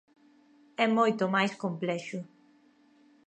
É moito máis complexo.